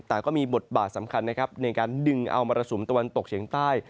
แต่ก็มีบทบาทสำคัญนะครับในการดึงเอามรสุมตะวันตกเฉียงใต้